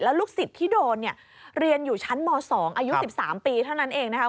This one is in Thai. ลูกศิษย์ที่โดนเนี่ยเรียนอยู่ชั้นม๒อายุ๑๓ปีเท่านั้นเองนะครับ